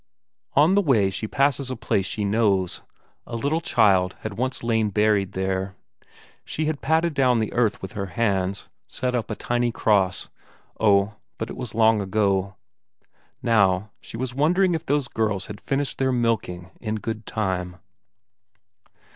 On the way she passes by a place she knows; a little child had once lain buried there; she had patted down the earth with her hands, set up a tiny cross oh, but it was long ago. Now, she was wondering if those girls had finished their milking in good time....